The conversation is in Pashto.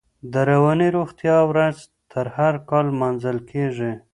د رواني روغتیا ورځ هر کال نمانځل کېږي.